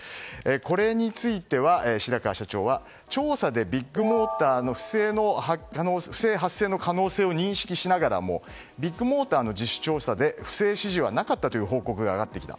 これについて白川社長は調査でビッグモーターの不正発生の可能性を認識しながらもビッグモーターの自主調査で不正指示はなかったという報告が上がってきた。